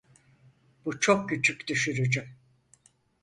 Bu çok küçük düşürücü.